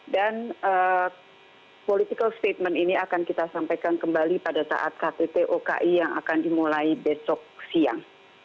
dan political statement ini akan kita sampaikan kembali pada saat ktt oki yang akan dimulai besok siang